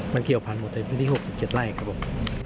มันเกี่ยวพันธุ์หมดในพื้นที่๖๗ไร่ครับผม